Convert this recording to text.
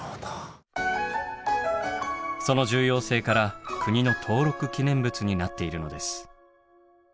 その重要性から国の登録記念物になっているのです。